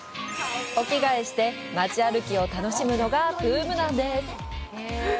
お着替えして街歩きを楽しむのがブームなんです！